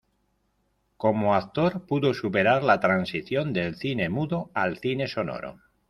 Como actor pudo superar la transición del cine mudo al cine sonoro.